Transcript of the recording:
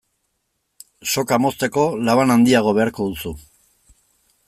Soka mozteko laban handiago beharko duzu.